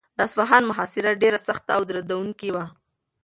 د اصفهان محاصره ډېره سخته او دردونکې وه.